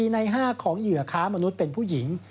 ใน๕ของเหยื่อค้ามนุษย์เป็นผู้หญิง